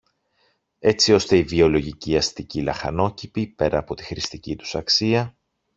έτσι ώστε οι βιολογικοί αστικοί λαχανόκηποι, πέρα από τη χρηστική τους αξία